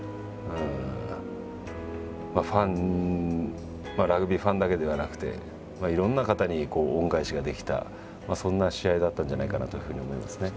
ファンラグビーファンだけではなくていろんな方に恩返しができたそんな試合だったんじゃないかなというふうに思いますね。